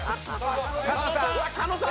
狩野さん。